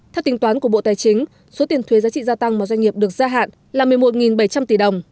theo tính toán của bộ tài chính số tiền thuế giá trị gia tăng mà doanh nghiệp được gia hạn là một mươi một bảy trăm linh tỷ đồng